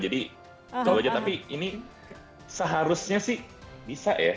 jadi coba aja tapi ini seharusnya sih bisa ya